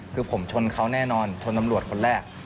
คือผมชนเขาแน่นอนชนตำรวจคนแรก